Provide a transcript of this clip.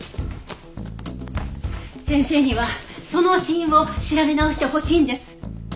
先生にはその死因を調べ直してほしいんです！